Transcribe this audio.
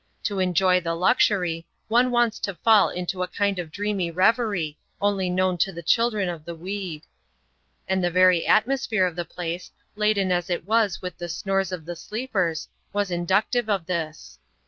To enjoy the luxury, one wants to fall into a kind of dreamy revery, only known to the children of the weed. And the very atmosphere of the place, laden as it was with the snores of the sleepers, was in ducive of this.